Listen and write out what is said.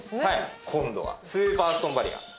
今度はスーパーストーンバリア。